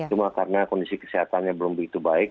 cuma karena kondisi kesehatan yang belum begitu baik